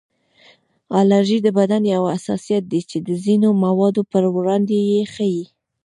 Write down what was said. الرژي د بدن یو حساسیت دی چې د ځینو موادو پر وړاندې یې ښیي